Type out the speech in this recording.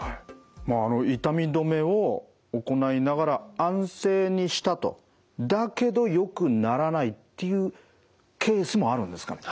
まああの痛み止めを行いながら安静にしたとだけどよくならないっていうケースもあるんですかね？